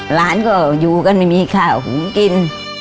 หลานก็อยู่กันไม่มีข้าวหุงกิน